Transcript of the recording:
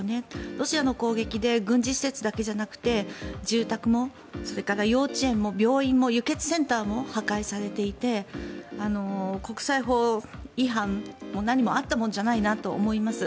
ロシアの攻撃で軍事施設だけじゃなくて住宅も、それから幼稚園も病院も輸血センターも破壊されていて国際法違反も何もあったもんじゃないなと思います。